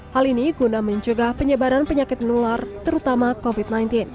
hal ini guna mencegah penyebaran penyakit menular terutama covid sembilan belas